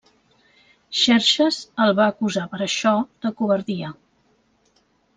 Xerxes el va acusar per això de covardia.